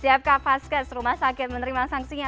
apakah vaskes rumah sakit menerima sangsinya